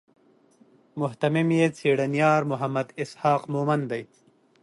مهتمم یې څېړنیار محمد اسحاق مومند دی.